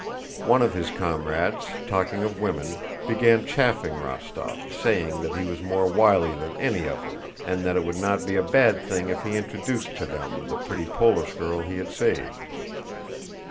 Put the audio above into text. One of his comrades, talking of women, began chaffing Rostóv, saying that he was more wily than any of them and that it would not be a bad thing if he introduced to them the pretty Polish girl he had saved.